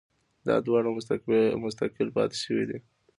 دا دواړه مستقل پاتې شوي دي